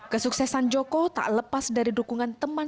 kesuksesan joko tak lepas dari dukungan teman